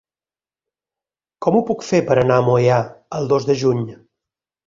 Com ho puc fer per anar a Moià el dos de juny?